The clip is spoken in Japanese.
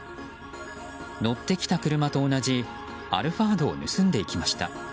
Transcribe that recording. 乗ってきた車と同じアルファードを盗んでいきました。